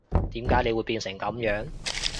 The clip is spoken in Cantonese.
點解你會變成噉樣